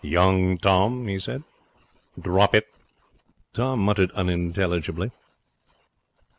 'Young Tom,' he said, 'drop it.' Tom muttered unintelligibly.